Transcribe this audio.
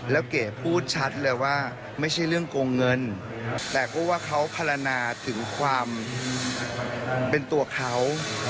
แล้วเก๋พูดชัดเลยว่าไม่ใช่เรื่องโกงเงินแต่พูดว่าเขาพัฒนาถึงความเป็นตัวเขา